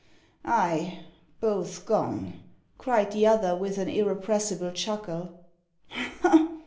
"Ay, both gone," cried the other, with an irrepressible chuckle.